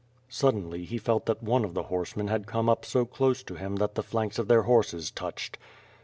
Suddenly he felt that one of the horsemen had come up so close to him that the flanks of their horses touched.